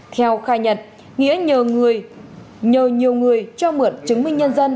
theo khai nhật nghĩa nhờ nhiều người cho mượn chứng minh nhân dân